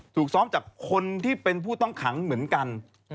ถูกซ้อมจากคนที่เป็นผู้ต้องขังเหมือนกัน